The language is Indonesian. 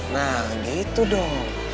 nah gitu dong